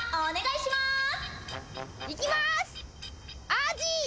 アジ。